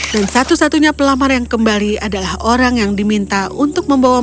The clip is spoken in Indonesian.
dan satu satunya pelamar yang kembali adalah orang yang diminta untuk membawa